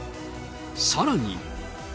さらに。